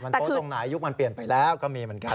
โต๊ะตรงไหนยุคมันเปลี่ยนไปแล้วก็มีเหมือนกัน